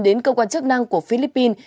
đến cơ quan chức năng của philippines